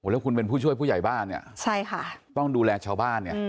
แล้วคุณเป็นผู้ช่วยผู้ใหญ่บ้านเนี่ยใช่ค่ะต้องดูแลชาวบ้านเนี่ย